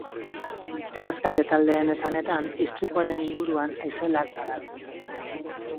Erreskate taldeen esanetan, istripuaren inguruan haize latza dabil.